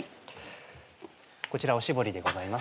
こちらお絞りでございます。